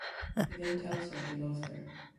He then tells her he loves her.